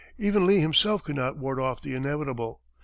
Even Lee himself could not ward off the inevitable.